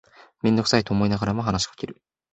めんどくさいと思いながらも話しかける